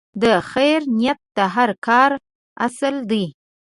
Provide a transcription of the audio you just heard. د خیر نیت د هر کار اصل دی.